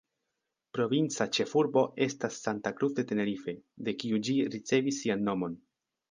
Provinca ĉefurbo estas Santa Cruz de Tenerife, de kiu ĝi ricevis sian nomon.